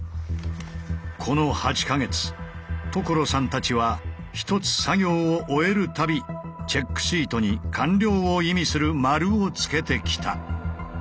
この８か月所さんたちは１つ作業を終える度チェックシートに完了を意味する丸をつけてきた。